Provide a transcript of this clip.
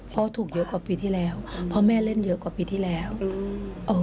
พ่อถูกเยอะกว่าปีที่แล้วเพราะแม่เล่นเยอะกว่าปีที่แล้วอืมเออ